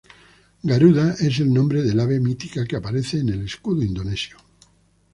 Garuda es el nombre del ave mítica que aparece en el escudo indonesio.